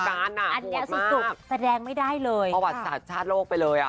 อันนี้สุดแสดงไม่ได้เลยประวัติศาสตร์ชาติโลกไปเลยอ่ะ